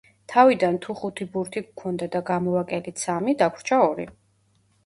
თავიდან თუ ხუთი ბურთი გვქონდა და გამოვაკელით სამი, დაგვრჩა ორი.